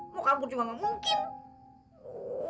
mau kabur juga nggak mungkin